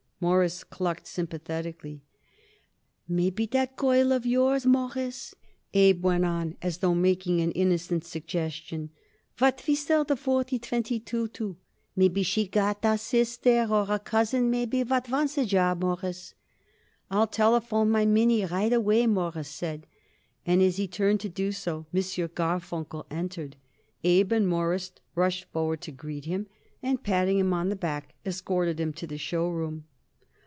Morris clucked sympathetically. "Maybe that girl of yours, Mawruss," Abe went on as though making an innocent suggestion, "what we sell the forty twenty two to, maybe she got a sister or a cousin maybe, what wants a job, Mawruss." "I'll telephone my Minnie right away," Morris said, and as he turned to do so M. Garfunkel entered. Abe and Morris rushed forward to greet him. Each seized a hand and, patting him on the back, escorted him to the show room.